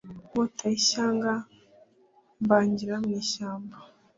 Nkota y’ ishyanga mbangira mu ishyamba.